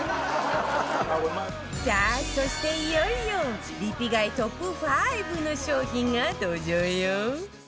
さあそしていよいよリピ買いトップ５の商品が登場よ